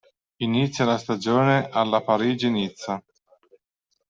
Inizia la stagione alla Parigi-Nizza.